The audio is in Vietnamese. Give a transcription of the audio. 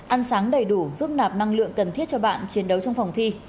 ăn sáng đầy đủ giúp nạp năng lượng cần thiết cho bạn chiến đấu trong phòng thi